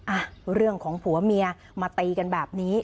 อ่ะเรื่องของผัวเมียมาตีกันแบบนี้